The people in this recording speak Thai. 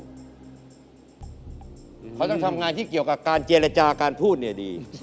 เพราะตามว่าเขาต้องทำงานที่เกี่ยวกับการเจรจาการพูดต่างเนี่ยดี